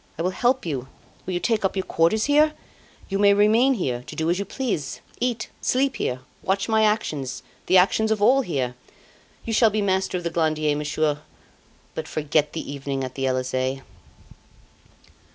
I will help you. Will you take up your quarters here? You may remain here to do as you please. Eat sleep here watch my actions the actions of all here. You shall be master of the Glandier, Monsieur; but forget the evening at the Elysee.